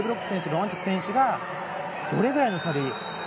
ロマンチュク選手がどれぐらいの差で。